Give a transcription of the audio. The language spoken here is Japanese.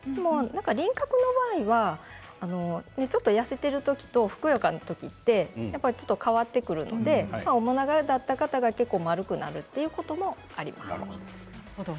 輪郭の場合は痩せている時とふくよかな時は変わってくるので面長だった方が丸くなるということもあります。